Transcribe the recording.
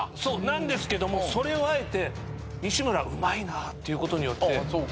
なんですけどもそれをあえて西村「うまいな」って言うことによって。